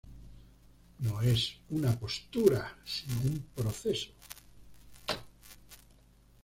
No es una postura, sino un proceso.